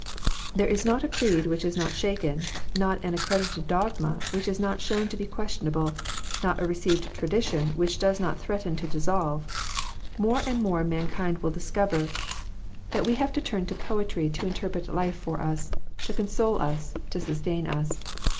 " There is not a creed which is not shaken, not an accredited dogma which is not shown to be questionable, not a received tradition which does not threaten to dissolve More and more mankind will discover that we have to turn WITHOUT ARE DOGS. 259 to poetry to interpret life for us, to console us, to sustain us.